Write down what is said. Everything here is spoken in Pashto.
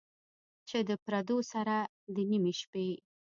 چې د پردو سره، د نیمې شپې،